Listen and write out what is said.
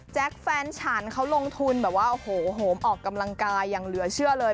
แฟนฉันเขาลงทุนแบบว่าโอ้โหโหมออกกำลังกายอย่างเหลือเชื่อเลย